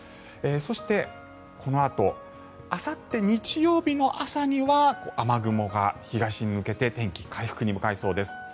そしてこのあとあさって日曜日の朝には雨雲が東に抜けて天気、回復に向かいそうです。